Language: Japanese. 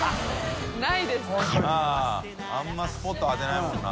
△あんまりスポット当てないもんな。